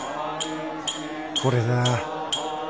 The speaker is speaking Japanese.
これだ。